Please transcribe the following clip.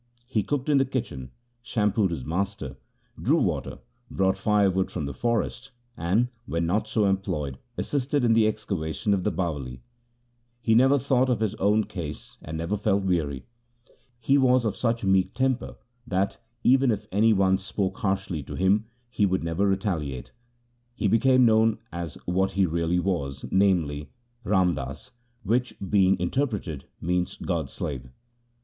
He cooked in the kitchen, shampooed his master, drew water, brought firewood from the forest, and, when not so employed, assisted in the excavation of the Bawali. He never thought of his own ease and never felt weary. He was of such meek temper that, even if any one spoke harshly to him, he would never retaliate. He became known as what he really was, namely, Ram Das, which being interpreted means God's slave.